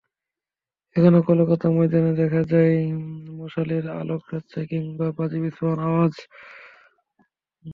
এখনো কলকাতার ময়দানে দেখা যায় মশালের আলোকচ্ছটা কিংবা বাজি বিস্ফোরণের আওয়াজ।